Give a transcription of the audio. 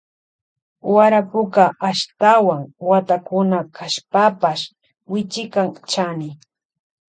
Warapuka ashtawan watakuna kashpapash wichikan chani.